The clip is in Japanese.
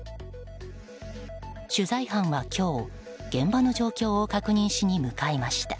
取材班は今日、現場の状況を確認しに向かいました。